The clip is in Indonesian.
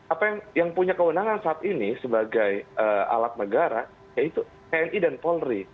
apa yang punya kewenangan saat ini sebagai alat negara yaitu tni dan polri